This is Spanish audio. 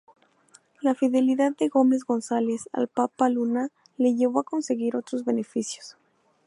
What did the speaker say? La fidelidad de Gómez González al Papa Luna le llevó a conseguir otros beneficios.